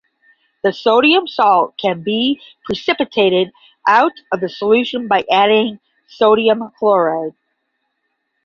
The sodium salt can be precipitated out of the solution by adding sodium chloride.